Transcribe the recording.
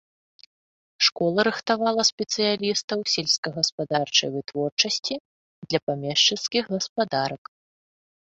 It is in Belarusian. Школа рыхтавала спецыялістаў сельскагаспадарчай вытворчасці для памешчыцкіх гаспадарак.